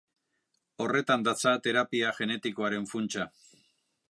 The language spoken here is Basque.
Horretan datza terapia genetikoaren funtsa.